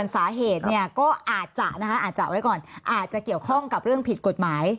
สาเหตุหลักก็อาจจะเกี่ยวข้องกับเรื่องผิดกฎหมาย